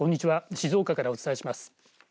静岡からお伝えします。